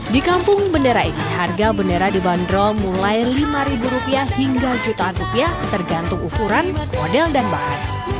di kampung bendera ini harga bendera dibanderol mulai lima ribu rupiah hingga jutaan rupiah tergantung ukuran model dan bahan